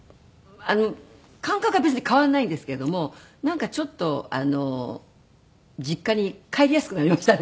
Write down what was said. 感覚は別に変わらないんですけれどもなんかちょっと実家に帰りやすくなりましたね